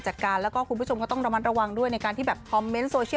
คุกขามคุณพ่อคุณแม่เราด้วยคุกขามพี่